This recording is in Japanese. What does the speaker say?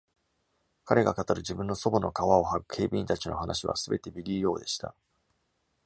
彼が語る自分の祖母の皮を剥ぐ警備員たちの話はすべてビリーオーでした。